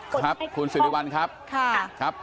ครับคุณสิริวัลครับ